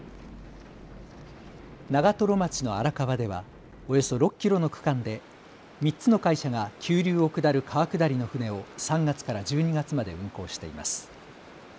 長瀞町の荒川ではおよそ６キロの区間で３つの会社が急流を下る川下りの舟を３月から１２月まで運航しています。